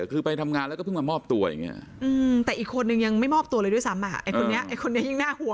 คือไปทำงานแล้วก็เพิ่งมามอบตัว